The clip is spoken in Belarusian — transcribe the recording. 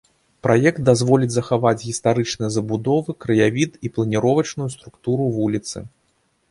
Праект дазволіць захаваць гістарычныя забудовы, краявід і планіровачную структуру вуліцы.